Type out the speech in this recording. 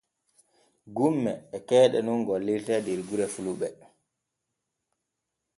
Gumme e keeɗe nun gollirte der gure fulɓe.